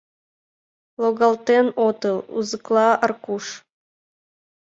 Логалтен отыл!.. — узыкла Аркуш.